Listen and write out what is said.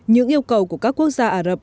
những yêu cầu của các quốc gia ả rập